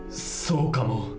そうかも。